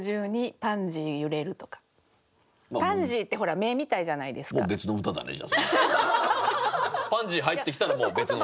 「パンジー」入ってきたらもう別の歌だよ。